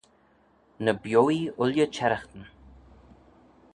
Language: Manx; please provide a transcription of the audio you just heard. Ny bioee ooilley çherraghtyn.